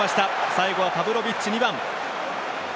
最後はパブロビッチ、２番。